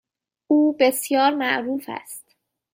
او بسیار معروف است.